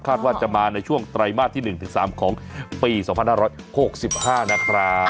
ว่าจะมาในช่วงไตรมาสที่๑๓ของปี๒๕๖๕นะครับ